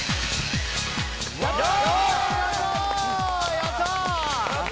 やったー。